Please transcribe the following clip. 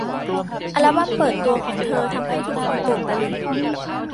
อัลบัมเปิดตัวของเธอทำให้ทุกคนตื่นตะลึง